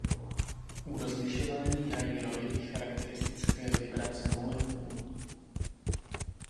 U rozlišování hrají roli i charakteristické vibrace molekul.